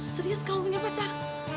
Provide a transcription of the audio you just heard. serius kamu punya pacar